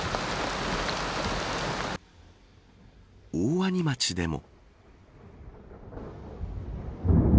大鰐町でも。